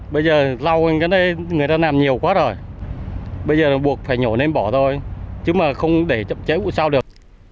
bây giờ rau người ta làm nhiều quá rồi bây giờ buộc phải nhổ nên bỏ thôi chứ mà không để chậm trễ vụ sau được